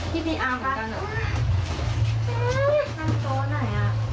พี่พี่อ้างบอกว่า